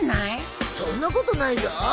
そんなことないぞ。